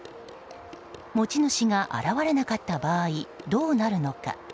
持ち主が現れなかった場合どうなるのか。